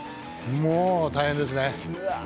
もう大変ですね。